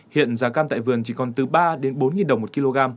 hiện giá cam tại vườn chỉ còn từ ba bốn đồng một kg